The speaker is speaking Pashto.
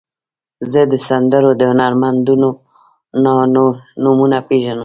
زه د سندرو د هنرمندانو نومونه پیژنم.